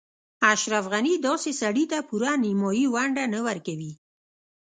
اشرف غني داسې سړي ته پوره نیمايي ونډه نه ورکوي.